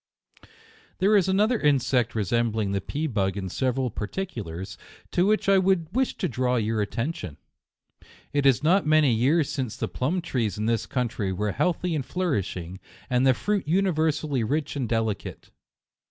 There is another insect resembling the JUNEc 133 pea bug in several particulars, to which I would wish to draw your attention. It is not many years since the plum trees in this country were healthy and flourishing, and the fruit universally rich and delicate.